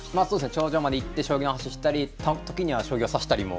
頂上まで行って将棋の話したり時には将棋を指したりも。